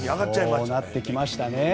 そうなってきましたね。